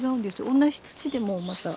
同じ土でもまた。